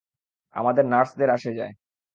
আমাদের নার্সদের আসে যায়।